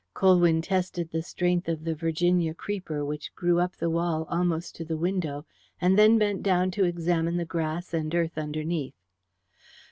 Colwyn tested the strength of the Virginia creeper which grew up the wall almost to the window, and then bent down to examine the grass and earth underneath.